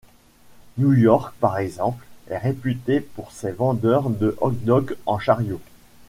New York, par exemple, est réputé pour ses vendeurs de hot-dogs en chariots.